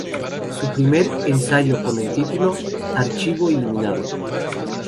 Su primer ensayo con el título ""Archivo iluminado.